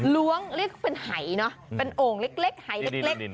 ล้วงนี่ก็เป็นไหเป็นโอ่งเล็กไหเล็ก